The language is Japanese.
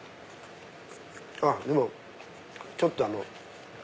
あっでもちょっとあの。